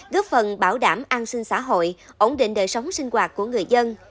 góp phần bảo đảm an sinh xã hội ổn định đời sống sinh hoạt của người dân